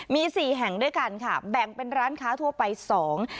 มีสี่แห่งด้วยกันค่ะแบ่งเป็นร้านค้าทั่วไปสอง